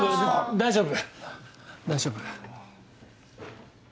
大丈夫。